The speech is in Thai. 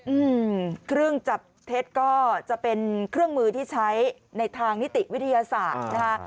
อืมเครื่องจับเท็จก็จะเป็นเครื่องมือที่ใช้ในทางนิติวิทยาศาสตร์นะคะ